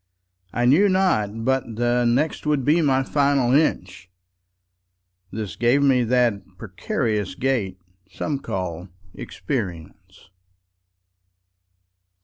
I knew not but the nextWould be my final inch,—This gave me that precarious gaitSome call experience.